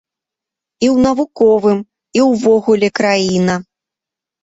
І ў навуковым, і ўвогуле краіна.